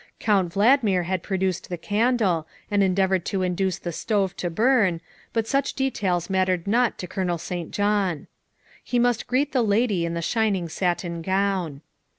Count Valdmir had pro duced the candle and endeavored to induce the stove to burn, but such details mattered not to Colonel St. John. He must greet the lady in the shining satin gown.